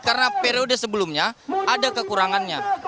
karena periode sebelumnya ada kekurangannya